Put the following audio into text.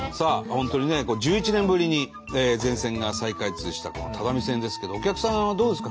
本当にね１１年ぶりに全線が再開通した只見線ですけどお客さんはどうですか？